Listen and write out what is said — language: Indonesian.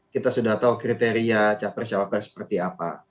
kita sudah tahu kriteria capres cawapres seperti apa